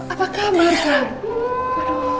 apa kabar kar